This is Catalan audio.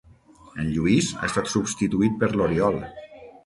En Lluís ha estat substituït per l'Oriol.